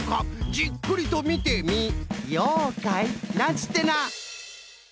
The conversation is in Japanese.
じっくりとみてみようかいなんつってな！